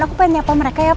aku pengen nyapa mereka ya